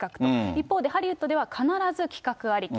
一方で、ハリウッドでは必ず企画ありき。